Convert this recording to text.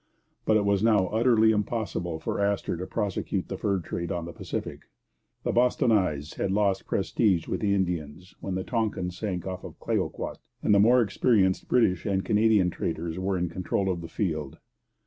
But it was now utterly impossible for Astor to prosecute the fur trade on the Pacific. The 'Bostonnais' had lost prestige with the Indians when the Tonquin sank off Clayoquot, and the more experienced British and Canadian traders were in control of the field.